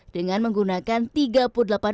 dengan menggunakan rp tiga puluh